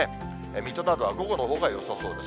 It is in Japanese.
水戸などは午後のほうがよさそうです。